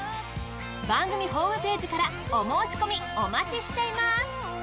番組ホームページからお申し込みお待ちしています！